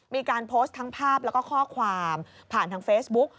มีการโพสต์ทั้งภาพแล้วก็ข้อความผ่านทางเฟซบุ๊ก